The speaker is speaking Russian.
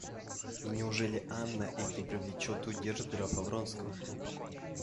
И неужели Анна этим привлечет и удержит графа Вронского?